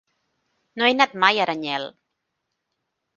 No he anat mai a Aranyel.